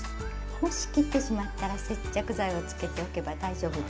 もし切ってしまったら接着剤をつけておけば大丈夫です。